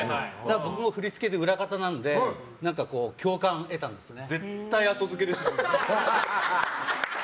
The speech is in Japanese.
僕も振り付けで裏方なので共感を得たんですよね。